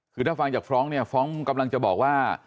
คือถ้าฟังจากฟ้องก็กำลังจะบอกว่า